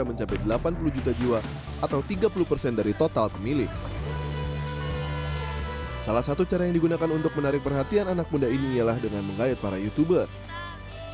nah salah satu cara yang digunakan untuk menarik perhatian anak muda ini adalah dengan mengait para youtubers